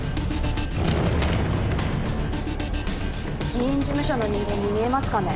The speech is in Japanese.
議員事務所の人間に見えますかね？